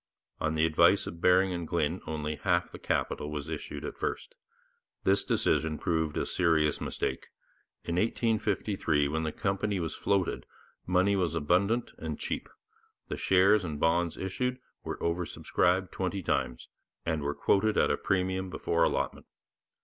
On the advice of Baring and Glyn only half the capital was issued at first. This decision proved a serious mistake. In 1853, when the company was floated, money was abundant and cheap; the shares and bonds issued were over subscribed twenty times, and were quoted at a premium before allotment.